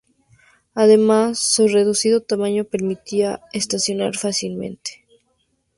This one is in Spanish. Además, su reducido tamaño permitía estacionar fácilmente.